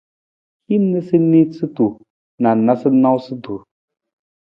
Hin niisaniisatu na noosunoosutu.